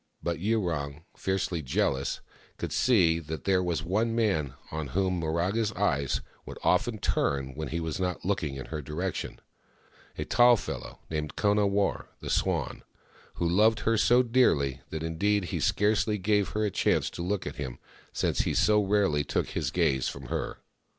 But Yurong, fiercely jealous, could see that there was one man on whom Miraga's eyes would often turn when he was not looking in her direction — a tall fellow named Kona warr — the Swan — who loved her so dearly that indeed he scarcely gave her a chance to look at him, since he so rarely took his gaze from her